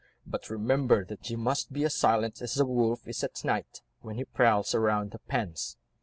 But remember that you must be as silent as the wolf is at night, when he prowls around the pens.